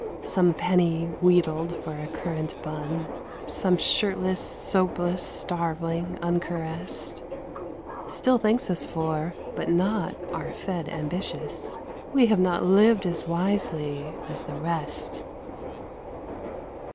Some penny, wheedled for a currant bun, Some shirtless, soapless starveling, uncaressed, Still thanks us for, but not our fed ambitious We have not lived as wisely as the rest.